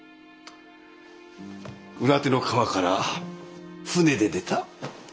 裏手の川から船で出た。